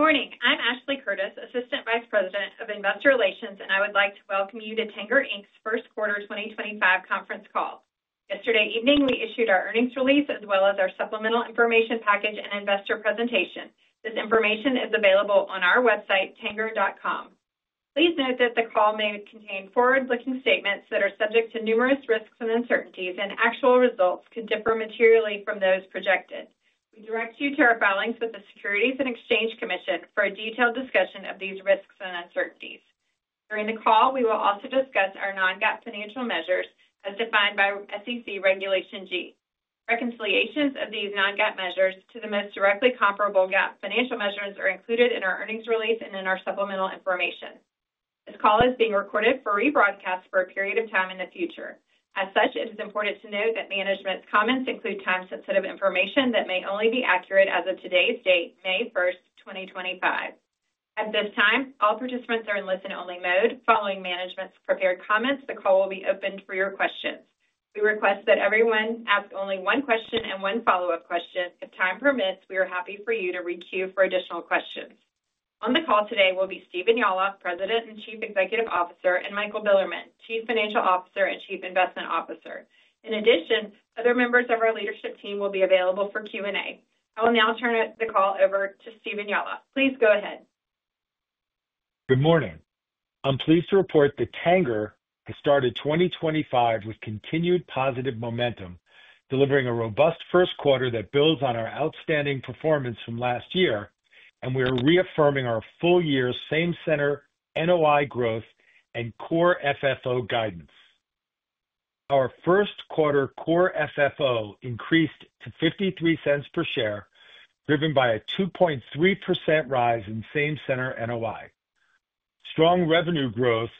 Good morning. I'm Ashley Curtis, Assistant Vice President of Investor Relations, and I would like to welcome you to Tanger Inc.'s First Quarter 2025 Conference Call. Yesterday evening, we issued our Earnings Release as well as our Supplemental Information Package and Investor Presentation. This information is available on our website, tanger.com. Please note that the call may contain forward-looking statements that are subject to numerous risks and uncertainties, and actual results could differ materially from those projected. We direct you to our filings with the Securities and Exchange Commission for a detailed discussion of these risks and uncertainties. During the call, we will also discuss our non-GAAP financial measures as defined by SEC Regulation G. Reconciliations of these non-GAAP measures to the most directly comparable GAAP financial measures are included in our Earnings Release and in our Supplemental Information. This call is being recorded for rebroadcast for a period of time in the future. As such, it is important to note that management's comments include time-sensitive information that may only be accurate as of today's date, May 1st, 2025. At this time, all participants are in listen-only mode. Following management's prepared comments, the call will be open for your questions. We request that everyone ask only one question and one follow-up question. If time permits, we are happy for you to re-queue for additional questions. On the call today will be Stephen Yalof, President and Chief Executive Officer, and Michael Bilerman, Chief Financial Officer and Chief Investment Officer. In addition, other members of our leadership team will be available for Q&A. I will now turn the call over to Stephen Yalof. Please go ahead. Good morning. I'm pleased to report that Tanger has started 2025 with continued positive momentum, delivering a robust first quarter that builds on our outstanding performance from last year, and we are reaffirming our full year's same-center NOI growth and core FFO guidance. Our first quarter core FFO increased to $0.53 per share, driven by a 2.3% rise in same-center NOI. Strong revenue growth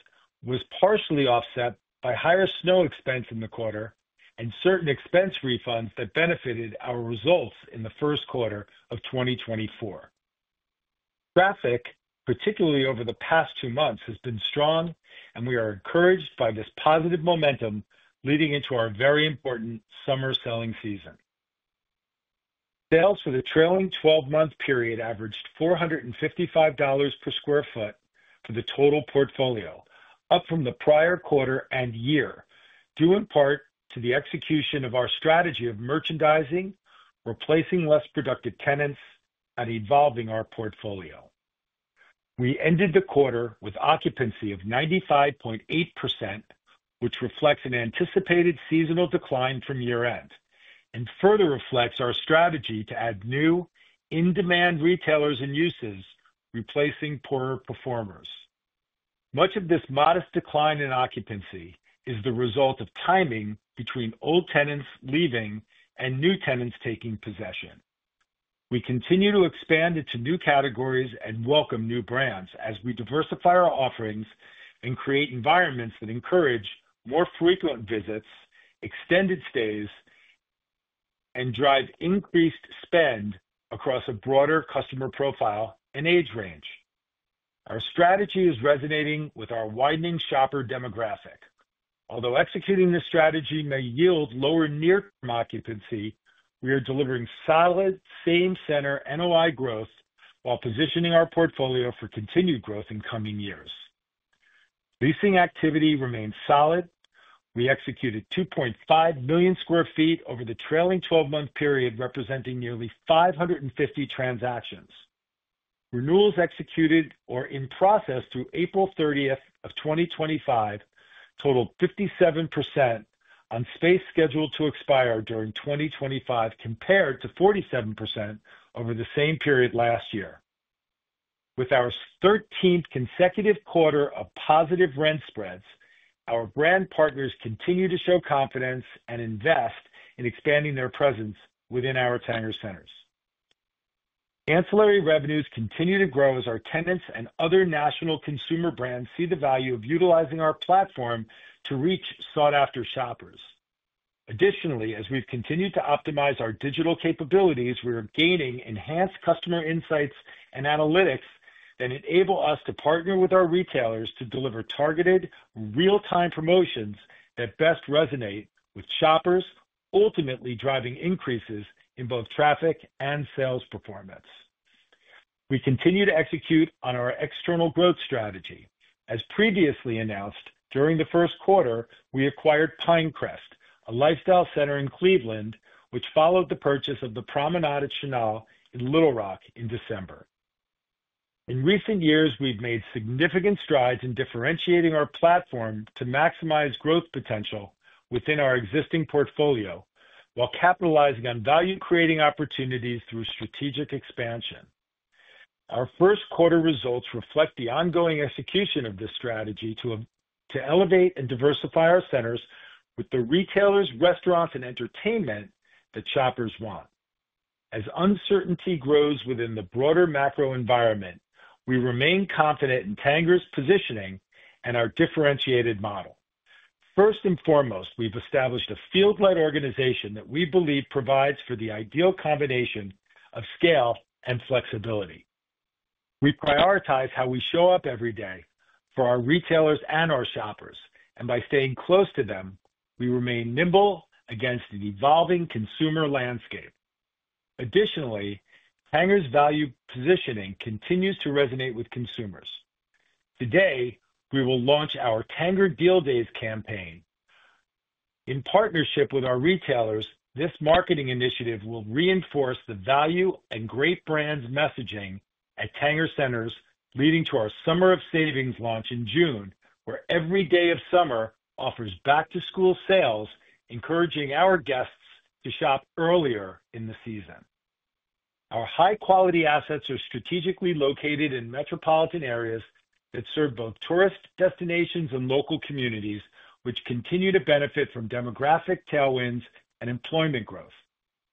was partially offset by higher snow expense in the quarter and certain expense refunds that benefited our results in the first quarter of 2024. Traffic, particularly over the past two months, has been strong, and we are encouraged by this positive momentum leading into our very important summer selling season. Sales for the trailing 12-month period averaged $455 per sq ft for the total portfolio, up from the prior quarter and year, due in part to the execution of our strategy of merchandising, replacing less productive tenants, and evolving our portfolio. We ended the quarter with occupancy of 95.8%, which reflects an anticipated seasonal decline from year-end and further reflects our strategy to add new in-demand retailers and uses, replacing poorer performers. Much of this modest decline in occupancy is the result of timing between old tenants leaving and new tenants taking possession. We continue to expand into new categories and welcome new brands as we diversify our offerings and create environments that encourage more frequent visits, extended stays, and drive increased spend across a broader customer profile and age range. Our strategy is resonating with our widening shopper demographic. Although executing this strategy may yield lower near-term occupancy, we are delivering solid same-center NOI growth while positioning our portfolio for continued growth in coming years. Leasing activity remains solid. We executed 2.5 million sq ft over the trailing 12-month period, representing nearly 550 transactions. Renewals executed or in process through April 30, 2025 totaled 57% on space scheduled to expire during 2025, compared to 47% over the same period last year. With our 13th consecutive quarter of positive rent spreads, our brand partners continue to show confidence and invest in expanding their presence within our Tanger centers. Ancillary revenues continue to grow as our tenants and other national consumer brands see the value of utilizing our platform to reach sought-after shoppers. Additionally, as we've continued to optimize our digital capabilities, we are gaining enhanced customer insights and analytics that enable us to partner with our retailers to deliver targeted, real-time promotions that best resonate with shoppers, ultimately driving increases in both traffic and sales performance. We continue to execute on our external growth strategy. As previously announced, during the first quarter, we acquired Pinecrest, a lifestyle center in Cleveland, which followed the purchase of The Promenade at Chenal in Little Rock in December. In recent years, we've made significant strides in differentiating our platform to maximize growth potential within our existing portfolio while capitalizing on value-creating opportunities through strategic expansion. Our first quarter results reflect the ongoing execution of this strategy to elevate and diversify our centers with the retailers, restaurants, and entertainment that shoppers want. As uncertainty grows within the broader macro environment, we remain confident in Tanger's positioning and our differentiated model. First and foremost, we've established a field-like organization that we believe provides for the ideal combination of scale and flexibility. We prioritize how we show up every day for our retailers and our shoppers, and by staying close to them, we remain nimble against an evolving consumer landscape. Additionally, Tanger's value positioning continues to resonate with consumers. Today, we will launch our Tanger Deal Days campaign. In partnership with our retailers, this marketing initiative will reinforce the value and great brands' messaging at Tanger centers, leading to our Summer of Savings launch in June, where every day of summer offers back-to-school sales, encouraging our guests to shop earlier in the season. Our high-quality assets are strategically located in metropolitan areas that serve both tourist destinations and local communities, which continue to benefit from demographic tailwinds and employment growth,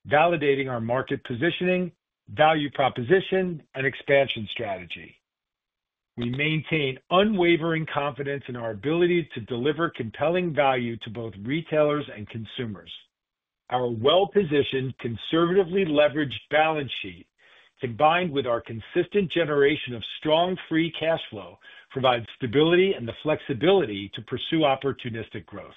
validating our market positioning, value proposition, and expansion strategy. We maintain unwavering confidence in our ability to deliver compelling value to both retailers and consumers. Our well-positioned, conservatively leveraged balance sheet, combined with our consistent generation of strong free cash flow, provides stability and the flexibility to pursue opportunistic growth.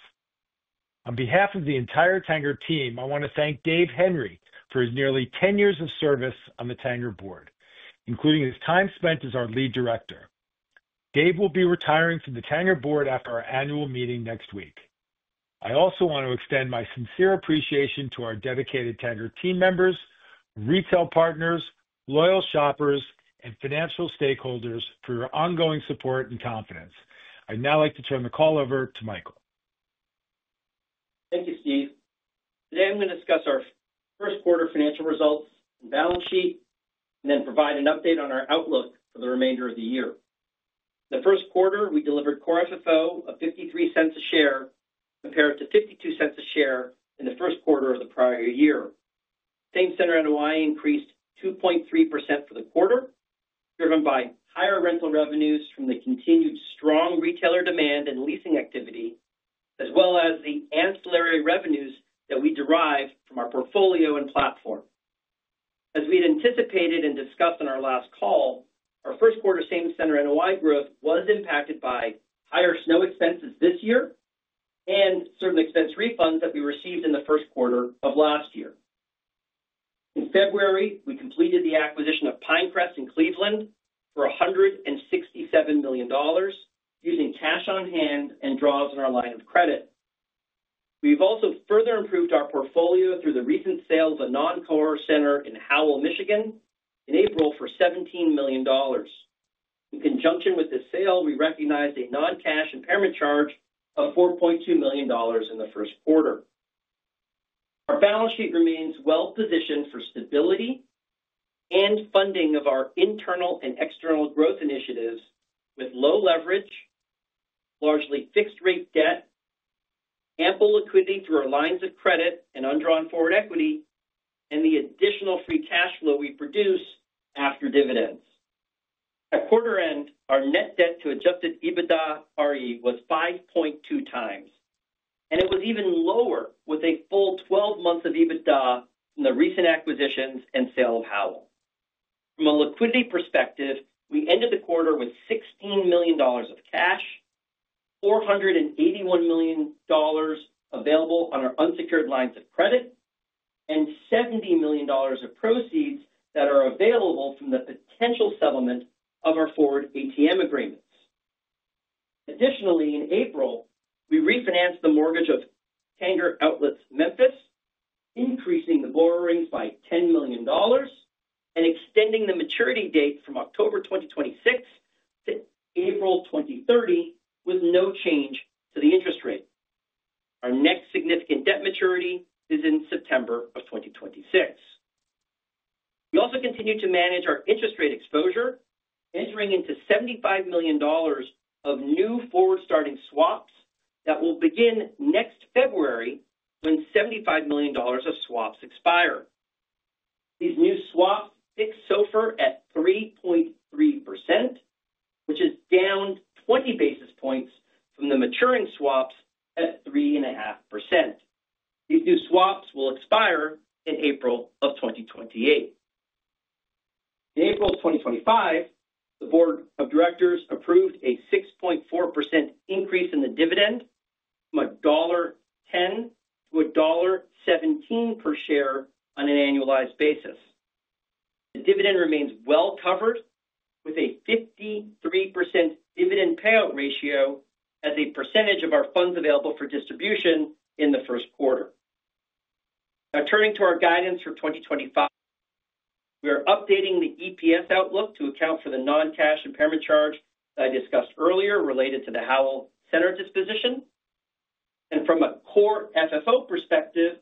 On behalf of the entire Tanger team, I want to thank Dave Henry for his nearly 10 years of service on the Tanger Board, including his time spent as our Lead Director. Dave will be retiring from the Tanger Board after our annual meeting next week. I also want to extend my sincere appreciation to our dedicated Tanger team members, retail partners, loyal shoppers, and financial stakeholders for your ongoing support and confidence. I'd now like to turn the call over to Michael. Thank you, Steve. Today, I'm going to discuss our first quarter financial results and balance sheet, and then provide an update on our outlook for the remainder of the year. In the first quarter, we delivered core FFO of $0.53 a share compared to $0.52 a share in the first quarter of the prior year. Same-center NOI increased 2.3% for the quarter, driven by higher rental revenues from the continued strong retailer demand and leasing activity, as well as the ancillary revenues that we derived from our portfolio and platform. As we had anticipated and discussed in our last call, our first quarter same-center NOI growth was impacted by higher snow expenses this year and certain expense refunds that we received in the first quarter of last year. In February, we completed the acquisition of Pinecrest in Cleveland for $167 million, using cash-on-hand and draws in our line of credit. We have also further improved our portfolio through the recent sale of a non-core center in Howell, Michigan, in April for $17 million. In conjunction with this sale, we recognized a non-cash impairment charge of $4.2 million in the first quarter. Our balance sheet remains well-positioned for stability and funding of our internal and external growth initiatives with low leverage, largely fixed-rate debt, ample liquidity through our lines of credit and undrawn forward equity, and the additional free cash flow we produce after dividends. At quarter end, our net debt to adjusted EBITDAre was 5.2x, and it was even lower with a full 12 months of EBITDA from the recent acquisitions and sale of Howell. From a liquidity perspective, we ended the quarter with $16 million of cash, $481 million available on our unsecured lines of credit, and $70 million of proceeds that are available from the potential settlement of our forward ATM agreements. Additionally, in April, we refinanced the mortgage of Tanger Outlets Memphis, increasing the borrowings by $10 million and extending the maturity date from October 2026 to April 2030 with no change to the interest rate. Our next significant debt maturity is in September of 2026. We also continue to manage our interest rate exposure, entering into $75 million of new forward-starting swaps that will begin next February when $75 million of swaps expire. These new swaps fix SOFR at 3.3%, which is down 20 basis points from the maturing swaps at 3.5%. These new swaps will expire in April of 2028. In April of 2025, the Board of Directors approved a 6.4% increase in the dividend from $1.10 to $1.17 per share on an annualized basis. The dividend remains well covered, with a 53% dividend payout ratio as a percentage of our funds available for distribution in the first quarter. Now, turning to our guidance for 2025, we are updating the EPS outlook to account for the non-cash impairment charge that I discussed earlier related to the Howell Center disposition. From a core FFO perspective,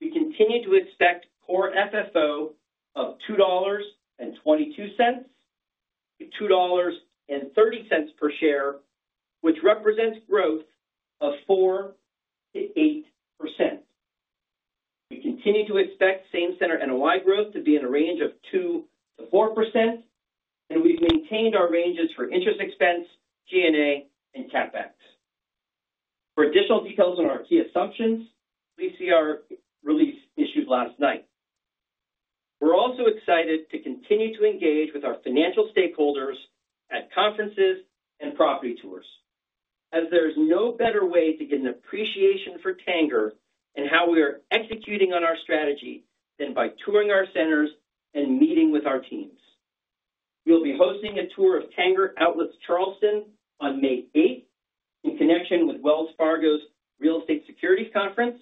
we continue to expect core FFO of $2.22-$2.30 per share, which represents growth of 4%-8%. We continue to expect same-center NOI growth to be in a range of 2%-4%, and we've maintained our ranges for interest expense, G&A, and CapEx. For additional details on our key assumptions, please see our release issued last night. We're also excited to continue to engage with our financial stakeholders at conferences and property tours, as there is no better way to get an appreciation for Tanger and how we are executing on our strategy than by touring our centers and meeting with our teams. We'll be hosting a tour of Tanger Outlets Charleston on May 8th in connection with Wells Fargo's Real Estate Securities Conference.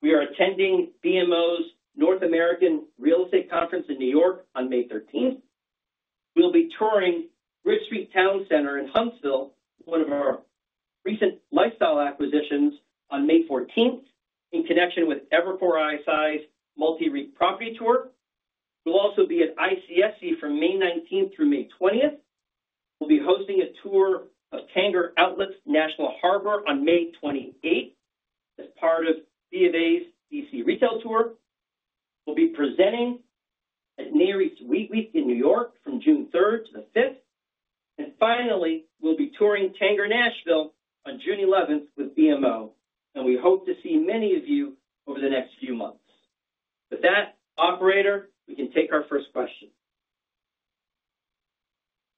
We are attending BMO's North American Real Estate Conference in New York on May 13th. We'll be touring Bridge Street Town Center in Huntsville, one of our recent lifestyle acquisitions, on May 14th in connection with Evercore ISI's Multi-REIT Property Tour. We'll also be at ICSC from May 19th through May 20th. We'll be hosting a tour of Tanger Outlets National Harbor on May 28th as part of BofA's D.C. Retail Tour. We'll be presenting at Nareit's REITweek in New York from June 3rd to the 5th. Finally, we'll be touring Tanger Nashville on June 11th with BMO, and we hope to see many of you over the next few months. With that, Operator, we can take our first question.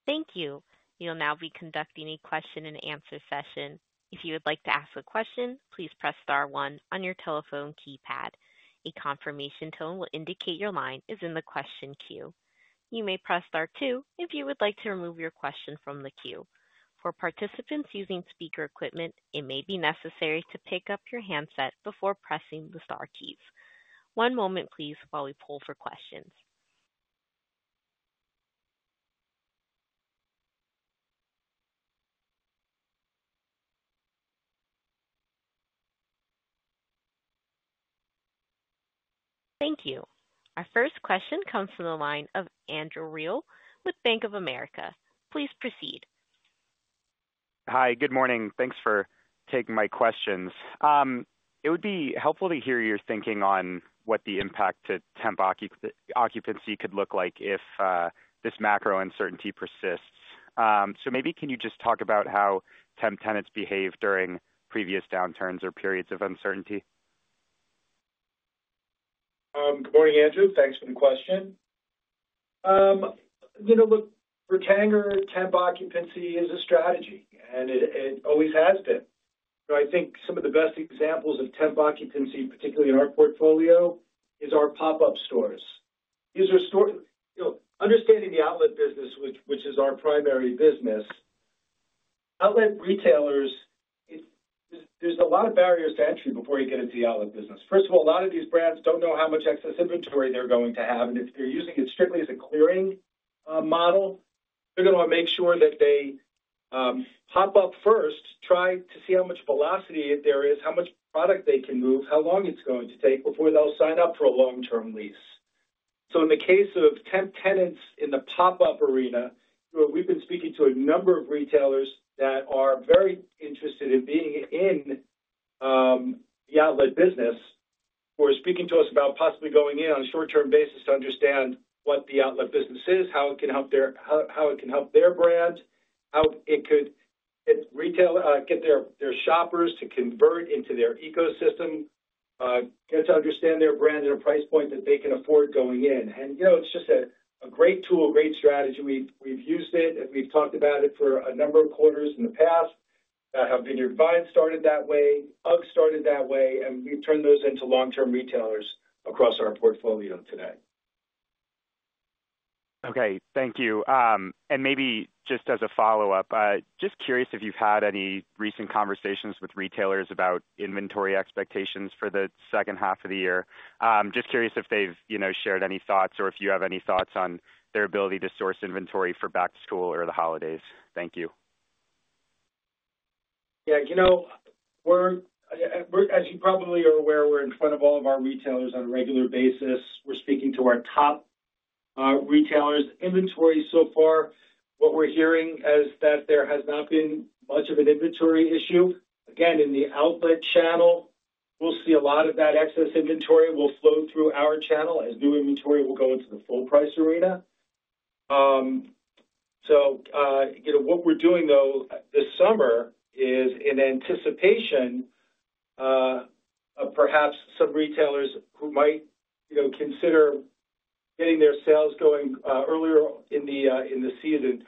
Thank you. We'll now be conducting a question-and-answer session. If you would like to ask a question, please press star one on your telephone keypad. A confirmation tone will indicate your line is in the question queue. You may press star two if you would like to remove your question from the queue. For participants using speaker equipment, it may be necessary to pick up your handset before pressing the star keys. One moment, please, while we pull for questions. Thank you. Our first question comes from the line of Andrew Reale with Bank of America. Please proceed. Hi, good morning. Thanks for taking my questions. It would be helpful to hear your thinking on what the impact to temp occupancy could look like if this macro uncertainty persists. Maybe can you just talk about how temp tenants behave during previous downturns or periods of uncertainty? Good morning, Andrew. Thanks for the question. Look, for Tanger, temp occupancy is a strategy, and it always has been. I think some of the best examples of temp occupancy, particularly in our portfolio, are our pop-up stores. Understanding the outlet business, which is our primary business, outlet retailers, there's a lot of barriers to entry before you get into the outlet business. First of all, a lot of these brands do not know how much excess inventory they're going to have. If they're using it strictly as a clearing model, they're going to want to make sure that they pop up first, try to see how much velocity there is, how much product they can move, how long it's going to take before they'll sign up for a long-term lease. In the case of temp tenants in the pop-up arena, we've been speaking to a number of retailers that are very interested in being in the outlet business. They're speaking to us about possibly going in on a short-term basis to understand what the outlet business is, how it can help their brand, how it could get their shoppers to convert into their ecosystem, get to understand their brand at a price point that they can afford going in. It's just a great tool, a great strategy. We've used it, and we've talked about it for a number of quarters in the past. Vineyard Vines started that way, UGG started that way, and we've turned those into long-term retailers across our portfolio today. Okay. Thank you. Maybe just as a follow-up, just curious if you've had any recent conversations with retailers about inventory expectations for the second half of the year. Just curious if they've shared any thoughts or if you have any thoughts on their ability to source inventory for back-to-school or the holidays. Thank you. Yeah. As you probably are aware, we're in front of all of our retailers on a regular basis. We're speaking to our top retailers. Inventory so far, what we're hearing is that there has not been much of an inventory issue. Again, in the outlet channel, we'll see a lot of that excess inventory will flow through our channel as new inventory will go into the full-price arena. What we're doing, though, this summer is, in anticipation of perhaps some retailers who might consider getting their sales going earlier in the season,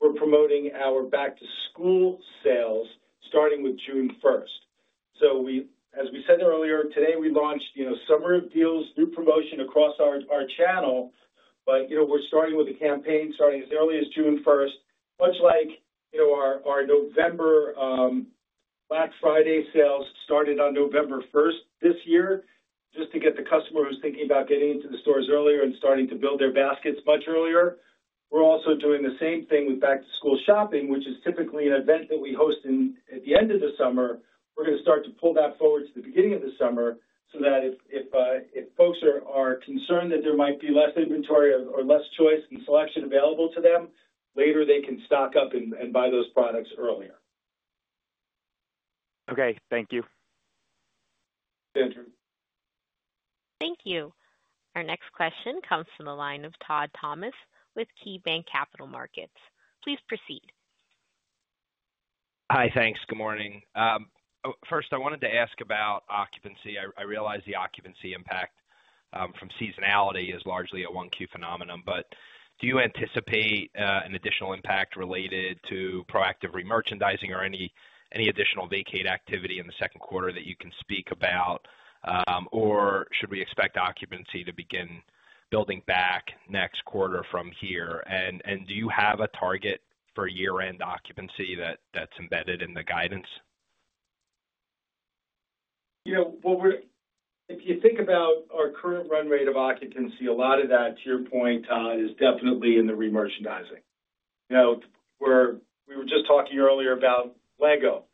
we're promoting our back-to-school sales starting with June 1st. As we said earlier, today, we launched Summer Deals, new promotion across our channel, but we're starting with a campaign starting as early as June 1st, much like our November Black Friday sales started on November 1st this year, just to get the customer who's thinking about getting into the stores earlier and starting to build their baskets much earlier. We're also doing the same thing with back-to-school shopping, which is typically an event that we host at the end of the summer. We're going to start to pull that forward to the beginning of the summer so that if folks are concerned that there might be less inventory or less choice and selection available to them, later, they can stock up and buy those products earlier. Okay. Thank you. Thank you. Thank you. Our next question comes from the line of Todd Thomas with KeyBanc Capital Markets. Please proceed. Hi, thanks. Good morning. First, I wanted to ask about occupancy. I realize the occupancy impact from seasonality is largely a 1Q phenomenon, but do you anticipate an additional impact related to proactive re-merchandising or any additional vacate activity in the second quarter that you can speak about? Should we expect occupancy to begin building back next quarter from here? Do you have a target for year-end occupancy that's embedded in the guidance? If you think about our current run rate of occupancy, a lot of that, to your point, Todd, is definitely in the re-merchandising. We were just talking earlier about LEGO,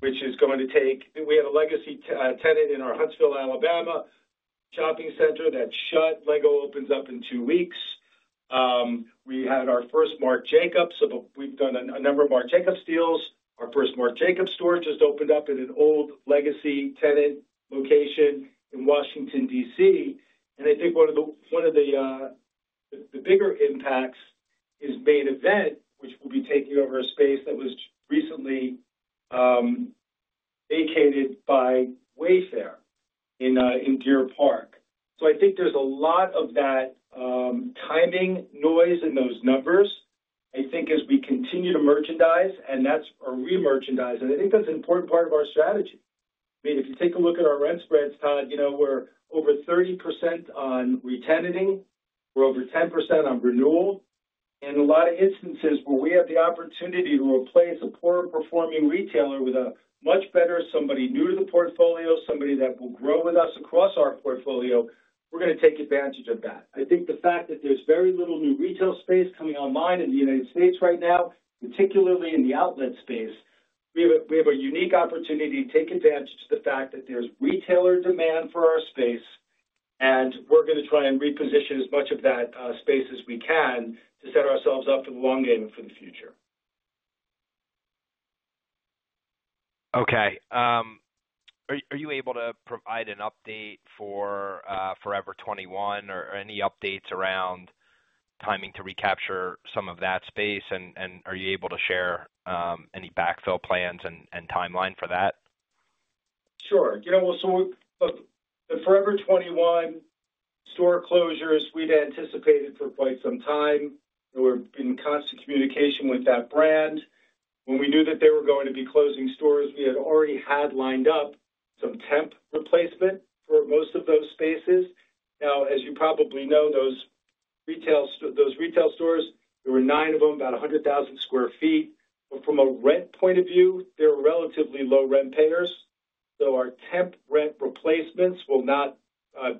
which is going to take—we had a legacy tenant in our Huntsville, Alabama Shopping Center that shut. Lego opens up in two weeks. We had our first Marc Jacobs, so we've done a number of Marc Jacobs deals. Our first Marc Jacobs store just opened up at an old legacy tenant location in Washington, D.C. I think one of the bigger impacts is Main Event, which will be taking over a space that was recently vacated by Wayfair in Deer Park. I think there's a lot of that timing noise in those numbers, I think, as we continue to merchandise, and that's our re-merchandising. I think that's an important part of our strategy. I mean, if you take a look at our rent spreads, Todd, we're over 30% on retenanting. We're over 10% on renewal. In a lot of instances where we have the opportunity to replace a poorer-performing retailer with a much better somebody new to the portfolio, somebody that will grow with us across our portfolio, we're going to take advantage of that. I think the fact that there's very little new retail space coming online in the United States right now, particularly in the outlet space, we have a unique opportunity to take advantage of the fact that there's retailer demand for our space, and we're going to try and reposition as much of that space as we can to set ourselves up for the long game and for the future. Okay. Are you able to provide an update for FOREVER 21 or any updates around timing to recapture some of that space? Are you able to share any backfill plans and timeline for that? Sure. The Forever 21 store closures, we'd anticipated for quite some time. We've been in constant communication with that brand. When we knew that they were going to be closing stores, we had already had lined up some temp replacement for most of those spaces. Now, as you probably know, those retail stores, there were nine of them, about 100,000 sq ft. From a rent point of view, they're relatively low-rent payers. Our temp rent replacements will not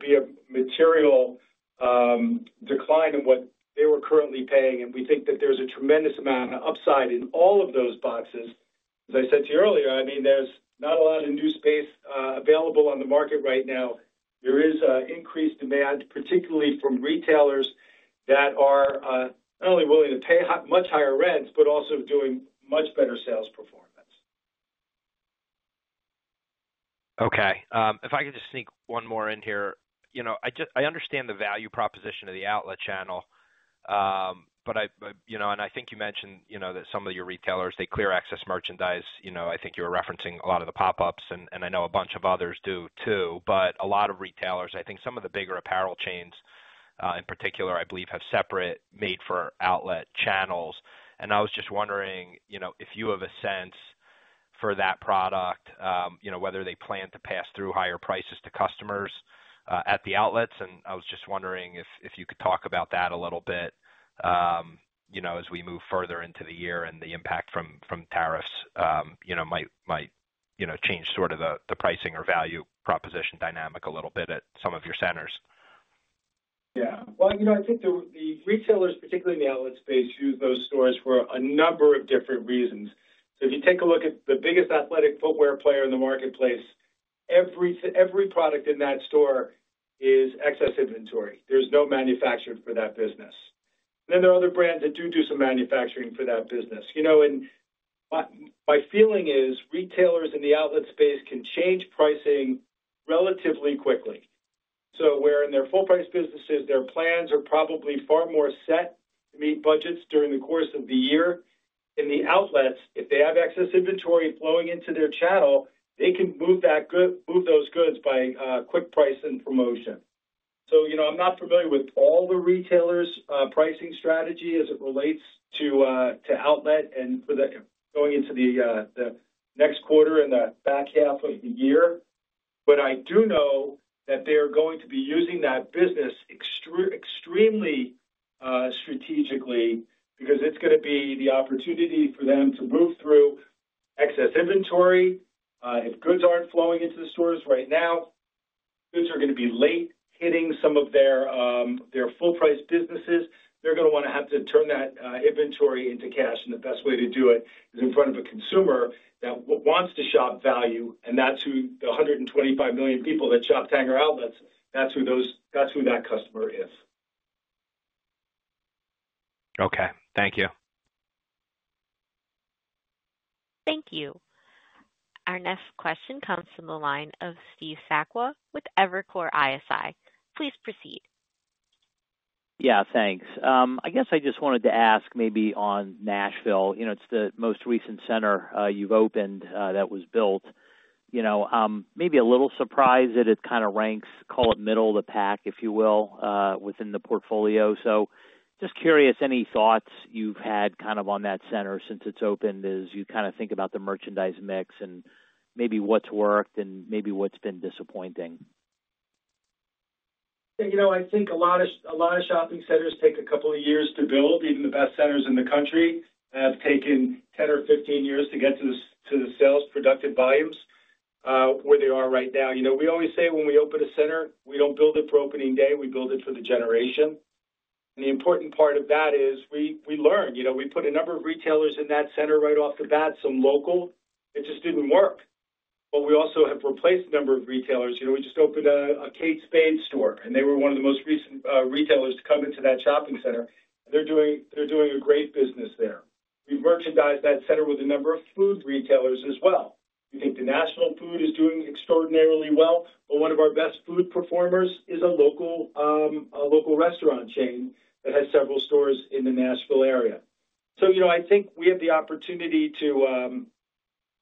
be a material decline in what they were currently paying. We think that there's a tremendous amount of upside in all of those boxes. As I said to you earlier, I mean, there's not a lot of new space available on the market right now. There is increased demand, particularly from retailers that are not only willing to pay much higher rents, but also doing much better sales performance. Okay. If I could just sneak one more in here. I understand the value proposition of the outlet channel, and I think you mentioned that some of your retailers, they clear excess merchandise. I think you were referencing a lot of the pop-ups, and I know a bunch of others do too. A lot of retailers, I think some of the bigger apparel chains in particular, I believe, have separate made-for-outlet channels. I was just wondering if you have a sense for that product, whether they plan to pass through higher prices to customers at the outlets. I was just wondering if you could talk about that a little bit as we move further into the year and the impact from tariffs might change sort of the pricing or value proposition dynamic a little bit at some of your centers. Yeah. I think the retailers, particularly in the outlet space, use those stores for a number of different reasons. If you take a look at the biggest athletic footwear player in the marketplace, every product in that store is excess inventory. There is no manufacturing for that business. There are other brands that do do some manufacturing for that business. My feeling is retailers in the outlet space can change pricing relatively quickly. So where in their full-price businesses, their plans are probably far more set to meet budgets during the course of the year, in the outlets, if they have excess inventory flowing into their channel, they can move those goods by quick price and promotion. I am not familiar with all the retailers' pricing strategy as it relates to outlet and going into the next quarter and the back half of the year. I do know that they are going to be using that business extremely strategically because it's going to be the opportunity for them to move through excess inventory. If goods aren't flowing into the stores right now, goods are going to be late hitting some of their full-price businesses. They're going to want to have to turn that inventory into cash. The best way to do it is in front of a consumer that wants to shop value. That's who the 125 million people that shop Tanger Outlets, that's who that customer is. Okay. Thank you. Thank you. Our next question comes from the line of Steve Sakwa with Evercore ISI. Please proceed. Yeah. Thanks. I guess I just wanted to ask maybe on Nashville, it's the most recent center you've opened that was built. Maybe a little surprise that it kind of ranks, call it middle of the pack, if you will, within the portfolio. Just curious, any thoughts you've had kind of on that center since it's opened as you kind of think about the merchandise mix and maybe what's worked and maybe what's been disappointing? I think a lot of shopping centers take a couple of years to build. Even the best centers in the country have taken 10 or 15 years to get to the sales productive volumes where they are right now. We always say when we open a center, we don't build it for opening day. We build it for the generation. The important part of that is we learn. We put a number of retailers in that center right off the bat, some local. It just didn't work. We also have replaced a number of retailers. We just opened a Kate Spade store, and they were one of the most recent retailers to come into that shopping center. They're doing a great business there. We've merchandised that center with a number of food retailers as well. We think that National Foods is doing extraordinarily well, but one of our best food performers is a local restaurant chain that has several stores in the Nashville area. I think we have the opportunity to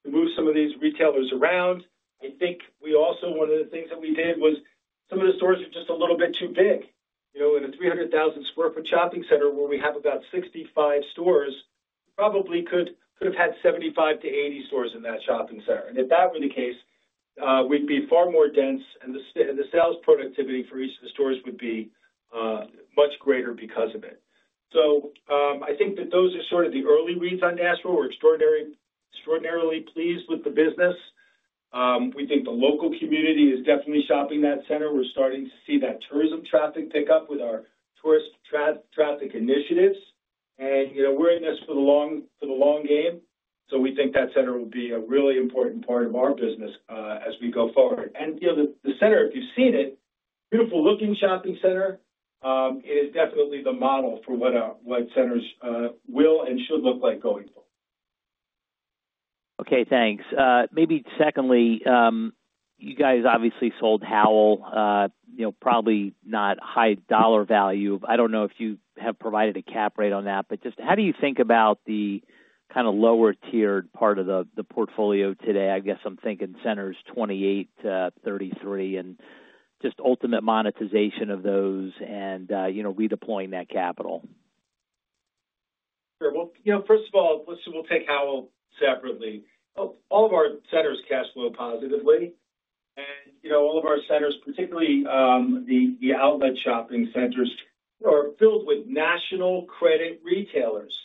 move some of these retailers around. I think we also, one of the things that we did was some of the stores are just a little bit too big. In a 300,000 sq ft shopping center where we have about 65 stores, we probably could have had 75-80 stores in that shopping center. If that were the case, we'd be far more dense, and the sales productivity for each of the stores would be much greater because of it. I think that those are sort of the early reads on Nashville. We're extraordinarily pleased with the business. We think the local community is definitely shopping that center. We're starting to see that tourism traffic pick up with our tourist traffic initiatives. We're in this for the long game. We think that center will be a really important part of our business as we go forward. The center, if you've seen it, beautiful-looking shopping center, it is definitely the model for what centers will and should look like going forward. Okay. Thanks. Maybe secondly, you guys obviously sold Howell, probably not high dollar value. I don't know if you have provided a cap rate on that, but just how do you think about the kind of lower-tiered part of the portfolio today? I guess I'm thinking centers 28 to 33 and just ultimate monetization of those and redeploying that capital. Sure. First of all, let's take Howell separately. All of our centers cash flow positively. All of our centers, particularly the outlet shopping centers, are filled with national credit retailers.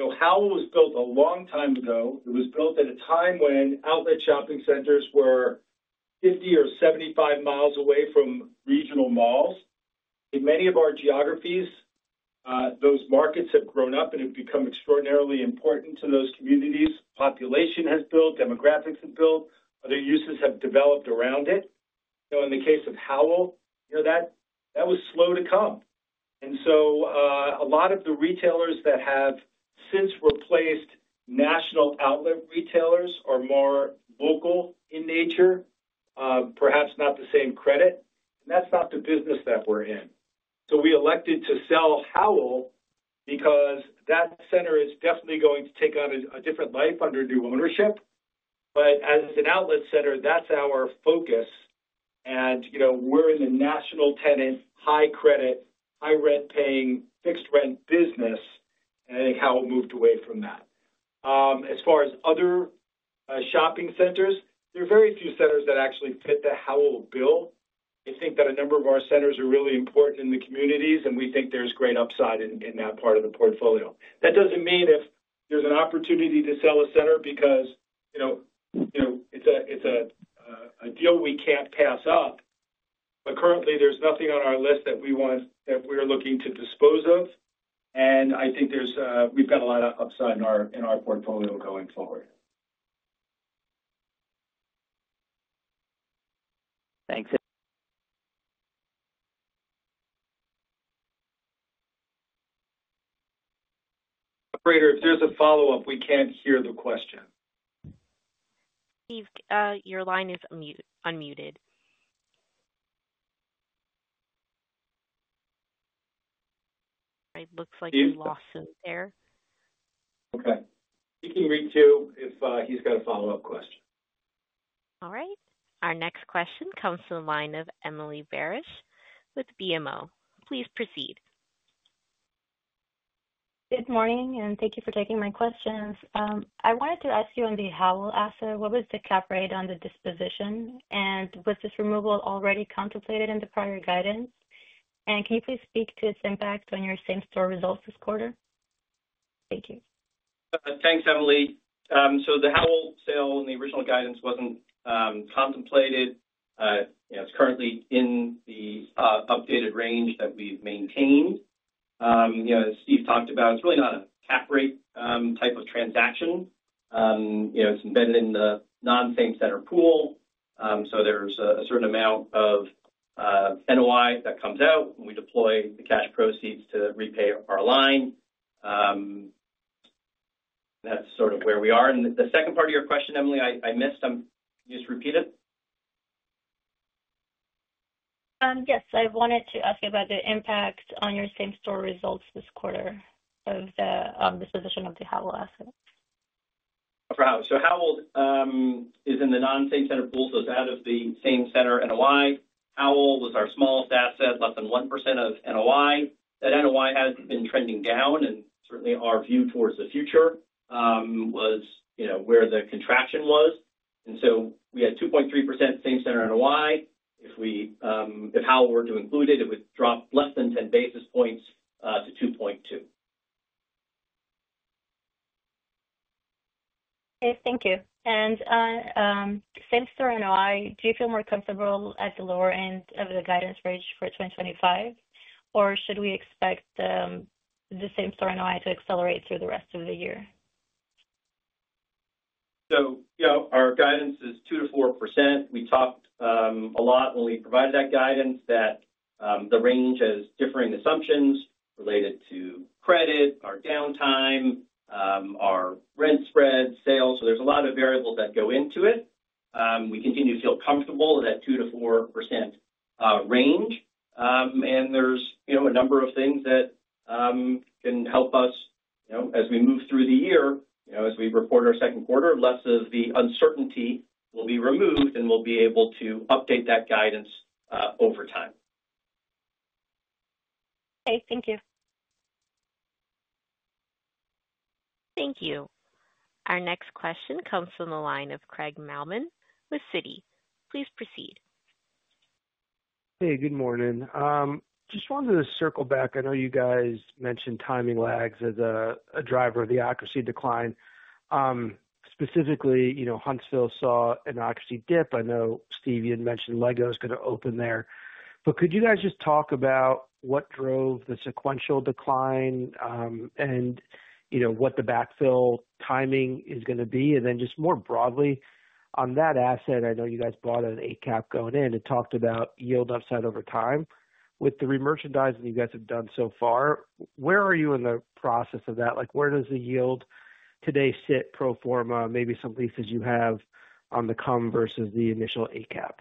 Howell was built a long time ago. It was built at a time when outlet shopping centers were 50 or 75 mi away from regional malls. In many of our geographies, those markets have grown up, and it has become extraordinarily important to those communities. Population has built. Demographics have built. Other uses have developed around it. In the case of Howell, that was slow to come. A lot of the retailers that have since replaced national outlet retailers are more local in nature, perhaps not the same credit. That is not the business that we're in. We elected to sell Howell because that center is definitely going to take on a different life under new ownership. As an outlet center, that's our focus. We're in the national tenant, high credit, high rent paying, fixed rent business, and I think Howell moved away from that. As far as other shopping centers, there are very few centers that actually fit the Howell bill. I think that a number of our centers are really important in the communities, and we think there's great upside in that part of the portfolio. That does not mean if there's an opportunity to sell a center because it's a deal we can't pass up. Currently, there's nothing on our list that we are looking to dispose of. I think we've got a lot of upside in our portfolio going forward. Thanks. Operator, if there's a follow-up, we can't hear the question. Steve, your line is unmuted. It looks like you lost him there. Okay. He can reach you if he's got a follow-up question. All right. Our next question comes from the line of Emili Berisha with BMO. Please proceed. Good morning, and thank you for taking my questions. I wanted to ask you on the Howell asset, what was the cap rate on the disposition? Was this removal already contemplated in the prior guidance? Can you please speak to its impact on your same-store results this quarter? Thank you. Thanks, Emili. The Howell sale in the original guidance was not contemplated. It is currently in the updated range that we have maintained. As Steve talked about, it is really not a cap rate type of transaction. It is embedded in the non-same-center pool. There is a certain amount of NOI that comes out when we deploy the cash proceeds to repay our line. That is where we are. The second part of your question, Emili, I missed. Can you just repeat it? Yes. I wanted to ask you about the impact on your same-store results this quarter of the disposition of the Howell asset. Howell is in the non-same-center pool. It is out of the same-center NOI. Howell was our smallest asset, less than 1% of NOI. That NOI has been trending down, and certainly our view towards the future was where the contraction was. We had 2.3% same-center NOI. If Howell were to include it, it would drop less than 10 basis points to 2.2%. Okay. Thank you. Same-store NOI, do you feel more comfortable at the lower end of the guidance range for 2025? Or should we expect the same-store NOI to accelerate through the rest of the year? Our guidance is 2%-4%. We talked a lot when we provided that guidance that the range has differing assumptions related to credit, our downtime, our rent spread, sales. There are a lot of variables that go into it. We continue to feel comfortable in that 2%-4% range. There are a number of things that can help us as we move through the year. As we report our second quarter, less of the uncertainty will be removed, and we will be able to update that guidance over time. Okay. Thank you. Thank you. Our next question comes from the line of Craig Mailman with Citi. Please proceed. Hey, good morning. Just wanted to circle back. I know you guys mentioned timing lags as a driver of the occupancy decline. Specifically, Huntsville saw an occupancy dip. I know Steve even mentioned LEGO is going to open there. Could you guys just talk about what drove the sequential decline and what the backfill timing is going to be? Just more broadly, on that asset, I know you guys bought an 8% cap going in and talked about yield upside over time with the remerchandising you guys have done so far. Where are you in the process of that? Where does the yield today sit pro forma, maybe some leases you have on the come versus the initial 8% cap?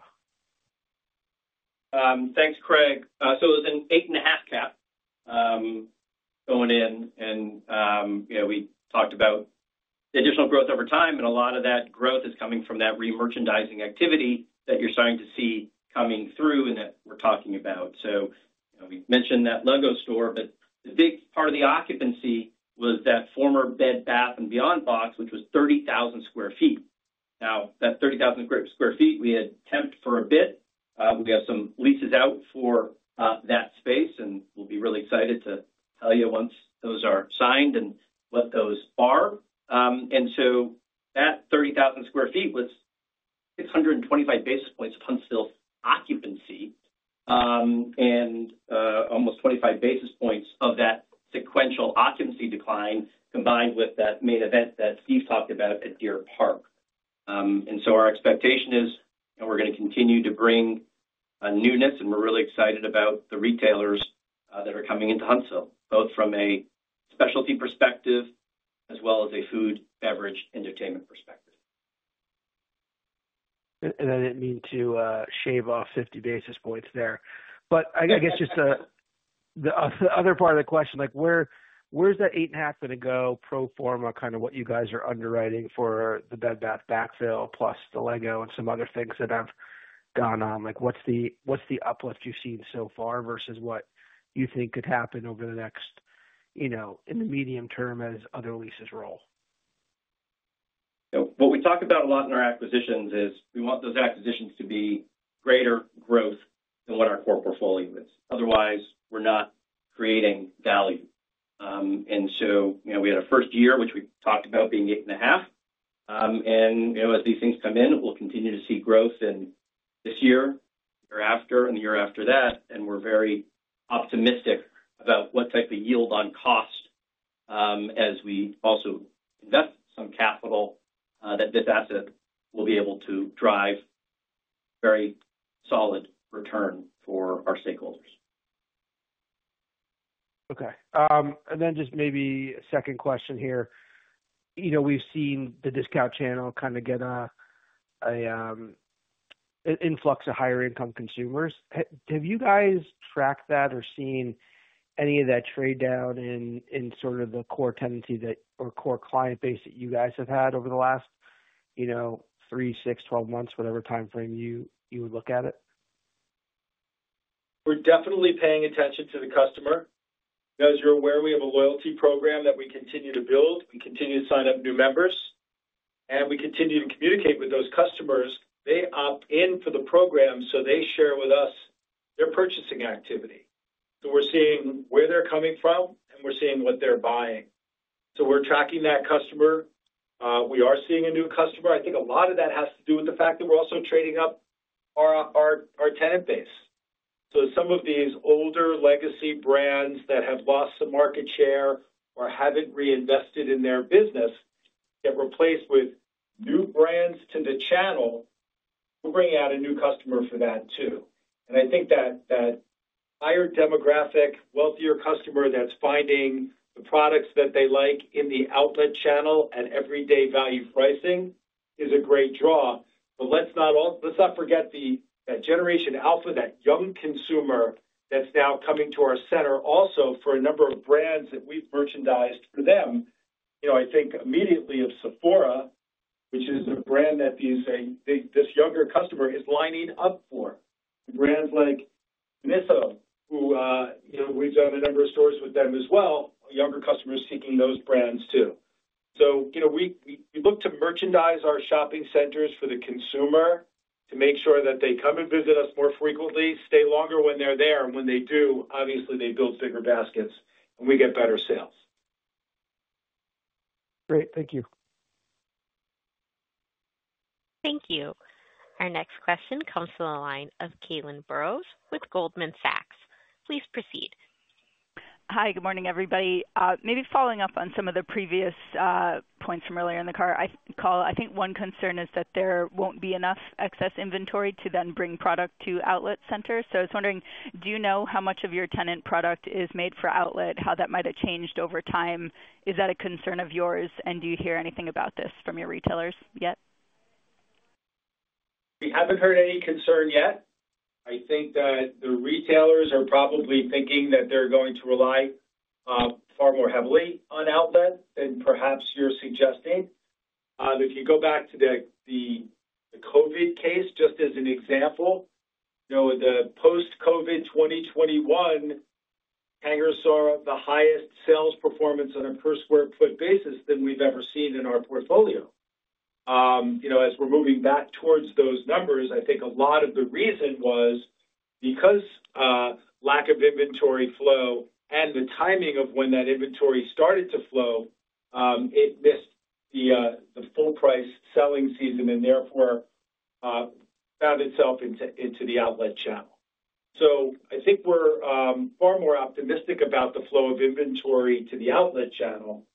Thanks, Craig. It was an 8.5% cap going in. We talked about additional growth over time. A lot of that growth is coming from that remerchandising activity that you're starting to see coming through and that we're talking about. We mentioned that LEGO store, but the big part of the occupancy was that former Bed Bath & Beyond box, which was 30,000 sq ft. That 30,000 sq ft we had temped for a bit. We have some leases out for that space, and we'll be really excited to tell you once those are signed and what those are. That 30,000 sq ft was 625 basis points of Huntsville's occupancy and almost 25 basis points of that sequential occupancy decline combined with that Main Event that Steve talked about at Deer Park. Our expectation is we're going to continue to bring newness, and we're really excited about the retailers that are coming into Huntsville, both from a specialty perspective as well as a food, beverage, entertainment perspective. I did not mean to shave off 50 basis points there. I guess just the other part of the question, where is that 8.5% cap going to go pro forma, kind of what you guys are underwriting for the Bed Bath backfill, plus the LEGO and some other things that have gone on? What is the uplift you have seen so far versus what you think could happen over the next in the medium term as other leases roll? What we talk about a lot in our acquisitions is we want those acquisitions to be greater growth than what our core portfolio is. Otherwise, we're not creating value. We had a first year, which we talked about being 8.5%. As these things come in, we'll continue to see growth in this year, year after, and the year after that. We are very optimistic about what type of yield-on-cost as we also invest some capital that this asset will be able to drive very solid return for our stakeholders. Okay. Just maybe a second question here. We've seen the discount channel kind of get an influx of higher-income consumers. Have you guys tracked that or seen any of that trade down in sort of the core tendency or core client base that you guys have had over the last three, six, 12 months, whatever timeframe you would look at it? We're definitely paying attention to the customer. As you're aware, we have a loyalty program that we continue to build. We continue to sign up new members. We continue to communicate with those customers. They opt in for the program, so they share with us their purchasing activity. We're seeing where they're coming from, and we're seeing what they're buying. We're tracking that customer. We are seeing a new customer. I think a lot of that has to do with the fact that we're also trading up our tenant base. Some of these older legacy brands that have lost some market share or haven't reinvested in their business get replaced with new brands to the channel. We're bringing out a new customer for that too. I think that higher demographic, wealthier customer that's finding the products that they like in the outlet channel at everyday value pricing is a great draw. Let's not forget that Generation Alpha, that young consumer that's now coming to our center also for a number of brands that we've merchandised for them. I think immediately of Sephora, which is a brand that this younger customer is lining up for. Brands like Miniso, who we've done a number of stores with them as well, younger customers seeking those brands too. We look to merchandise our shopping centers for the consumer to make sure that they come and visit us more frequently, stay longer when they're there. When they do, obviously, they build bigger baskets, and we get better sales. Great. Thank you. Thank you. Our next question comes from the line of Caitlin Burrows with Goldman Sachs. Please proceed. Hi. Good morning, everybody. Maybe following up on some of the previous points from earlier in the call, I think one concern is that there won't be enough excess inventory to then bring product to outlet centers. I was wondering, do you know how much of your tenant product is made for outlet, how that might have changed over time? Is that a concern of yours? Do you hear anything about this from your retailers yet? We haven't heard any concern yet. I think that the retailers are probably thinking that they're going to rely far more heavily on outlet than perhaps you're suggesting. If you go back to the COVID case, just as an example, the post-COVID 2021, Tanger saw the highest sales performance on a per-square-foot basis than we've ever seen in our portfolio. As we're moving back towards those numbers, I think a lot of the reason was because lack of inventory flow and the timing of when that inventory started to flow, it missed the full-price selling season and therefore found itself into the outlet channel. I think we're far more optimistic about the flow of inventory to the outlet channel.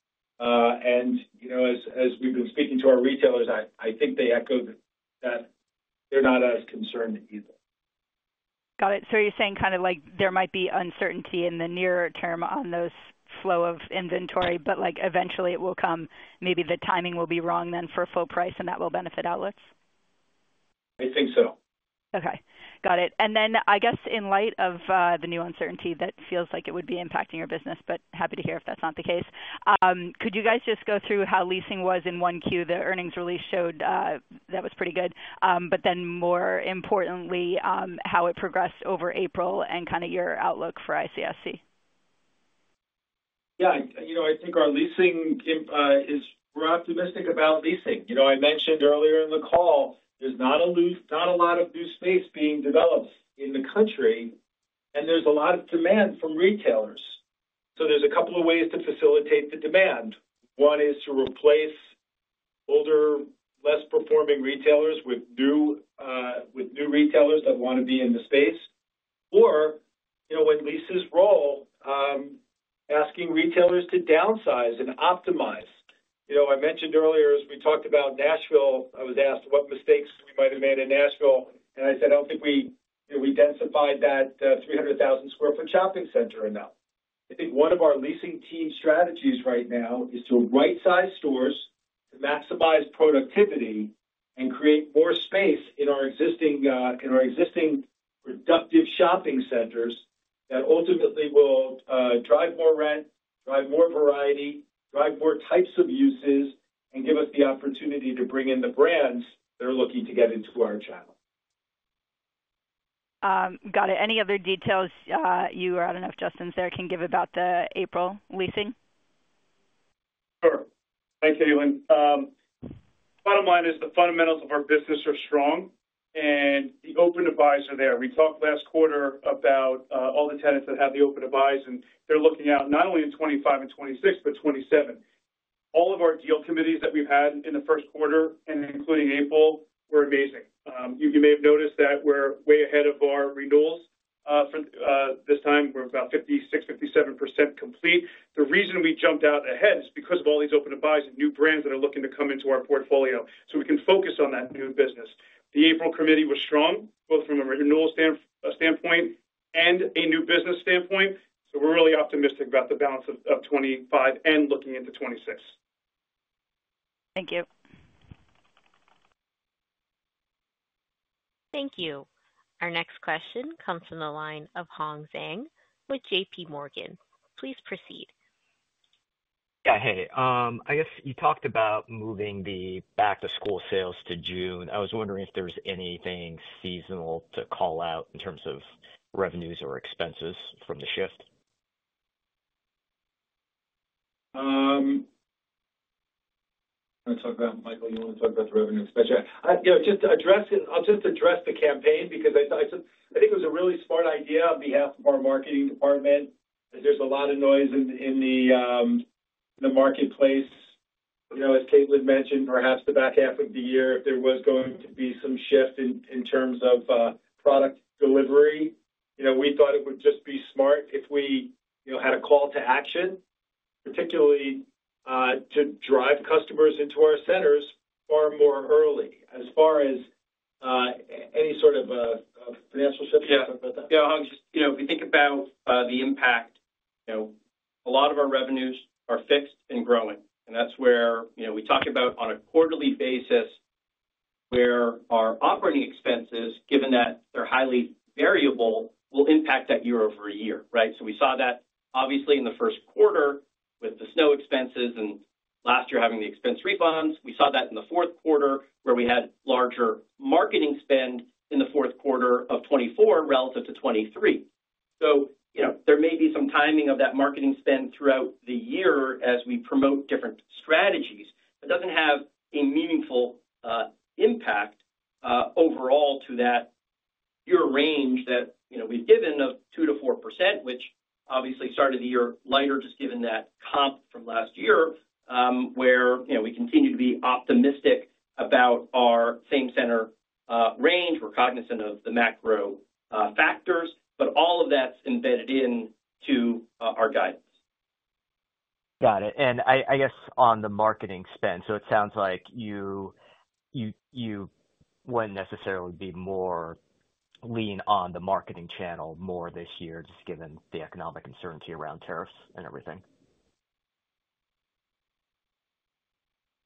As we've been speaking to our retailers, I think they echo that they're not as concerned either. Got it. You are saying kind of like there might be uncertainty in the nearer term on those flow of inventory, but eventually it will come. Maybe the timing will be wrong then for full price, and that will benefit outlets. I think so. Okay. Got it. I guess in light of the new uncertainty that feels like it would be impacting your business, but happy to hear if that's not the case. Could you guys just go through how leasing was in 1Q? The earnings release showed that was pretty good. More importantly, how it progressed over April and kind of your outlook for ICSC. Yeah. I think we're optimistic about leasing. I mentioned earlier in the call, there's not a lot of new space being developed in the country, and there's a lot of demand from retailers. There are a couple of ways to facilitate the demand. One is to replace older, less-performing retailers with new retailers that want to be in the space. Or, when leases roll, asking retailers to downsize and optimize. I mentioned earlier, as we talked about Nashville, I was asked what mistakes we might have made in Nashville. I said, I don't think we densified that 300,000 sq ft shopping center enough. I think one of our leasing team strategies right now is to right-size stores to maximize productivity and create more space in our existing productive shopping centers that ultimately will drive more rent, drive more variety, drive more types of uses, and give us the opportunity to bring in the brands that are looking to get into our channel. Got it. Any other details you or I do not know if Justin's there can give about the April leasing? Sure. Thanks, Caitlin. Bottom line is the fundamentals of our business are strong. The open-to-buys are there. We talked last quarter about all the tenants that have the open-to-buys, and they are looking out not only in 2025 and 2026, but 2027. All of our deal committees that we have had in the first quarter, including April, were amazing. You may have noticed that we are way ahead of our renewals for this time. We are about 56%-57% complete. The reason we jumped out ahead is because of all these open-to-buys and new brands that are looking to come into our portfolio so we can focus on that new business. The April committee was strong both from a renewal standpoint and a new business standpoint. We are really optimistic about the balance of 2025 and looking into 2026. Thank you. Thank you. Our next question comes from the line of Hong Zhang with JPMorgan. Please proceed. Yeah. Hey. I guess you talked about moving the back-to-school sales to June. I was wondering if there was anything seasonal to call out in terms of revenues or expenses from the shift. I want to talk about... Michael, you want to talk about the revenue expense? I'll just address the campaign because I think it was a really smart idea on behalf of our marketing department. There's a lot of noise in the marketplace. As Caitlin mentioned, perhaps the back half of the year, if there was going to be some shift in terms of product delivery, we thought it would just be smart if we had a call-to-action, particularly to drive customers into our centers far more early as far as any sort of financial shift. Can you talk about that? Yeah. If you think about the impact, a lot of our revenues are fixed and growing. And that's where we talk about on a quarterly basis where our operating expenses, given that they're highly variable, will impact that year over a year, right? We saw that, obviously, in the first quarter with the snow expenses and last year having the expense refunds. We saw that in the fourth quarter where we had larger marketing spend in the fourth quarter of 2024 relative to 2023. There may be some timing of that marketing spend throughout the year as we promote different strategies, but it does not have a meaningful impact overall to that year range that we have given of 2%-4%, which obviously started the year lighter just given that comp from last year where we continue to be optimistic about our same-center range. We are cognizant of the macro factors, but all of that is embedded into our guidance. Got it. I guess on the marketing spend, it sounds like you wouldn't necessarily be more lean on the marketing channel more this year just given the economic uncertainty around tariffs and everything.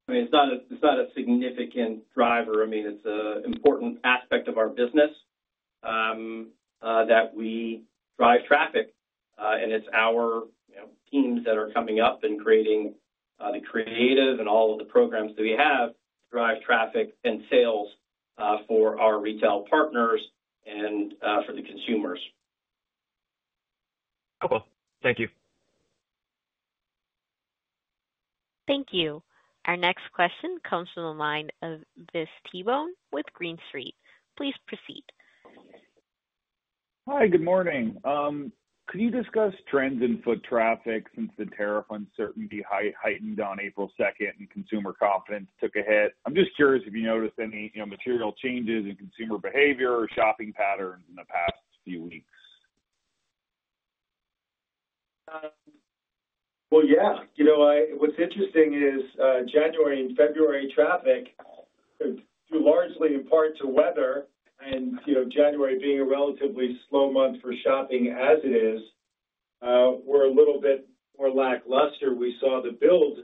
I mean, it's not a significant driver. I mean, it's an important aspect of our business that we drive traffic. And it's our teams that are coming up and creating the creative and all of the programs that we have to drive traffic and sales for our retail partners and for the consumers. Cool. Thank you. Thank you. Our next question comes from the line of Vince Tibone with Green Street. Please proceed. Hi. Good morning. Could you discuss trends in foot traffic since the tariff uncertainty heightened on April 2nd and consumer confidence took a hit? I'm just curious if you noticed any material changes in consumer behavior or shopping patterns in the past few weeks. What's interesting is January and February traffic, largely in part to weather, and January being a relatively slow month for shopping as it is, were a little bit more lackluster. We saw the build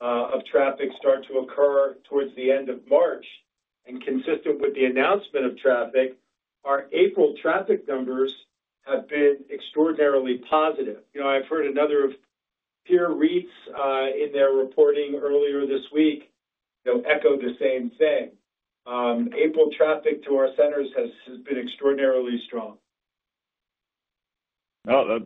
of traffic start to occur towards the end of March. Consistent with the announcement of traffic, our April traffic numbers have been extraordinarily positive. I've heard another of peer REITs in their reporting earlier this week echo the same thing. April traffic to our centers has been extraordinarily strong. Oh,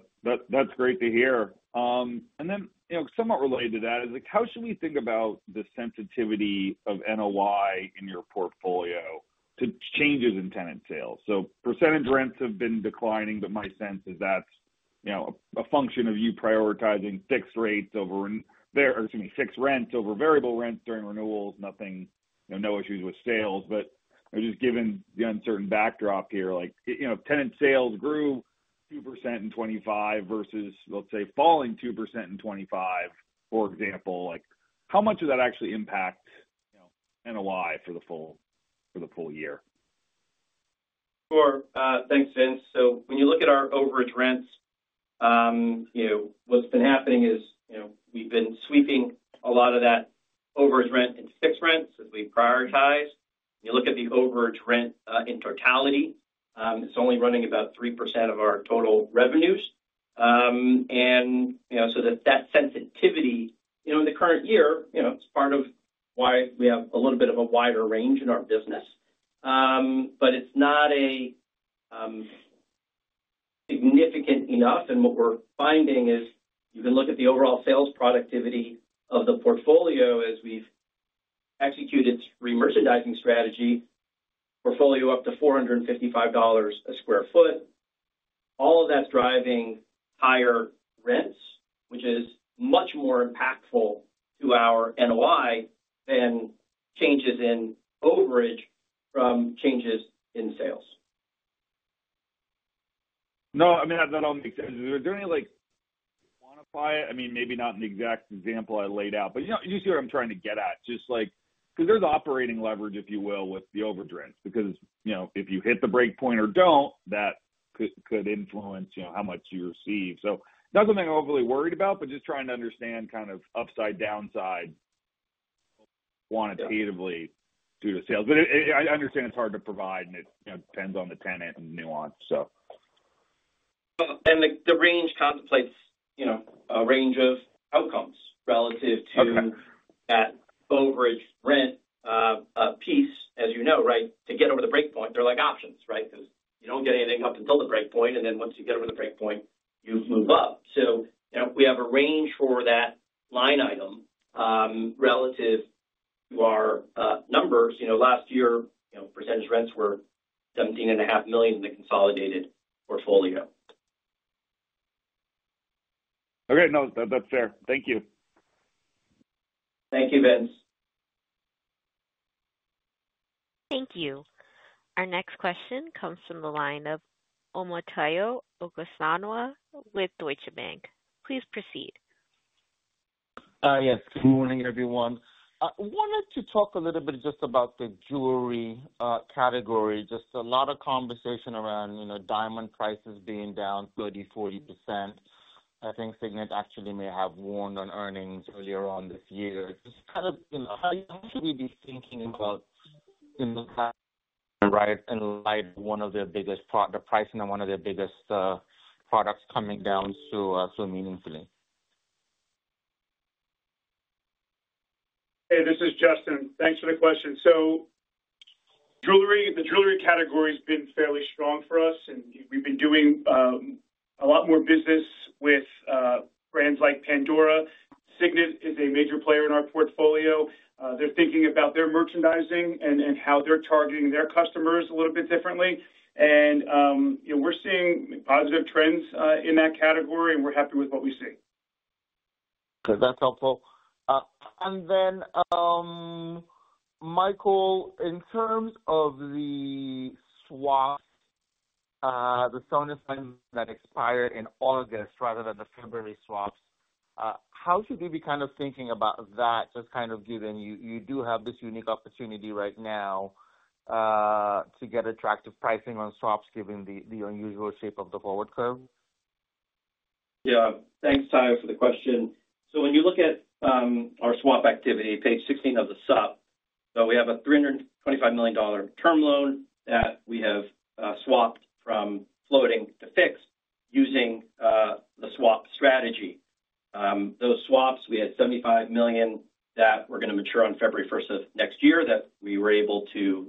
that's great to hear. Then somewhat related to that is how should we think about the sensitivity of NOI in your portfolio to changes in tenant sales? Percentage rents have been declining, but my sense is that's a function of you prioritizing fixed rates over, excuse me, fixed rents over variable rents during renewals, no issues with sales. Just given the uncertain backdrop here, tenant sales grew 2% in 2025 versus, let's say, fallen 2% in 2025, for example. How much does that actually impact NOI for the full year? Sure. Thanks, Vince. When you look at our overage rents, what's been happening is we've been sweeping a lot of that overage rent into fixed rents as we prioritize. You look at the overage rent in totality, it's only running about 3% of our total revenues. That sensitivity in the current year is part of why we have a little bit of a wider range in our business. It's not significant enough. What we're finding is you can look at the overall sales productivity of the portfolio as we've executed re-merchandising strategy, portfolio up to $455 a sq ft. All of that's driving higher rents, which is much more impactful to our NOI than changes in overage from changes in sales. No, I mean, that all makes sense. Is there any—quantify it? I mean, maybe not in the exact example I laid out. You see what I'm trying to get at. Because there's operating leverage, if you will, with the overage rents. If you hit the breakpoint or do not, that could influence how much you receive. That is not something I'm overly worried about, just trying to understand kind of upside, downside, quantitatively due to sales. I understand it's hard to provide, and it depends on the tenant and nuance. The range contemplates a range of outcomes relative to that overage rent piece, as you know, right? To get over the breakpoint, there are options, right? Because you do not get anything up until the breakpoint, and then once you get over the breakpoint, you move up. We have a range for that line item relative to our numbers. Last year, percentage rents were $17.5 million in the consolidated portfolio. Okay. No, that's fair. Thank you. Thank you, Vince. Thank you. Our next question comes from the line of Omotayo Okusanya with Deutsche Bank. Please proceed. Yes. Good morning, everyone. I wanted to talk a little bit just about the jewelry category. Just a lot of conversation around diamond prices being down 30%-40%. I think Signet actually may have warned on earnings earlier on this year. Just kind of how should we be thinking about in light of one of their biggest—the pricing of one of their biggest products coming down so meaningfully? Hey, this is Justin. Thanks for the question. The jewelry category has been fairly strong for us, and we've been doing a lot more business with brands like Pandora. Signet is a major player in our portfolio. They're thinking about their merchandising and how they're targeting their customers a little bit differently. We're seeing positive trends in that category, and we're happy with what we see. Okay. That's helpful. Michael, in terms of the swaps, the SOFR lines that expire in August rather than the February swaps, how should we be kind of thinking about that, just kind of given you do have this unique opportunity right now to get attractive pricing on swaps given the unusual shape of the forward curve? Yeah. Thanks, Tayo, for the question. When you look at our swap activity, page 16 of the Supp, we have a $325 million term loan that we have swapped from floating to fixed using the swap strategy. Those swaps, we had $75 million that were going to mature on February 1st of next year that we were able to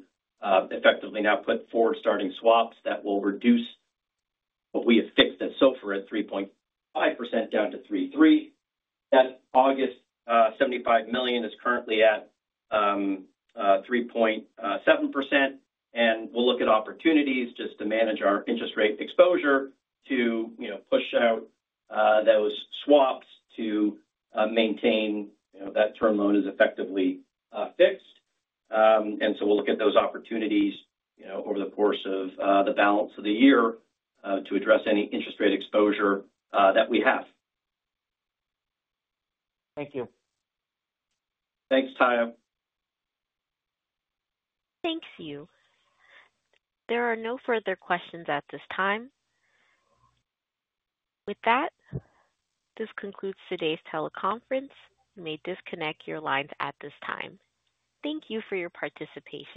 effectively now put forward starting swaps that will reduce what we have fixed at SOFR at 3.5% down to 3.3%. That August $75 million is currently at 3.7%. We will look at opportunities just to manage our interest rate exposure to push out those swaps to maintain that term loan is effectively fixed. We will look at those opportunities over the course of the balance of the year to address any interest rate exposure that we have. Thank you. Thanks, Tayo. Thank you. There are no further questions at this time. With that, this concludes today's teleconference. You may disconnect your lines at this time. Thank you for your participation.